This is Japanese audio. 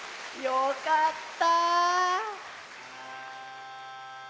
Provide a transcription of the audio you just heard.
よかった。